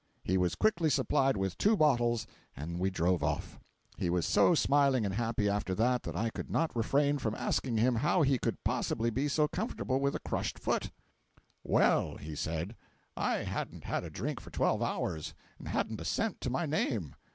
He was quickly supplied with two bottles, and we drove off. He was so smiling and happy after that, that I could not refrain from asking him how he could possibly be so comfortable with a crushed foot. 403.jpg (72K) "Well," said he, "I hadn't had a drink for twelve hours, and hadn't a cent to my name.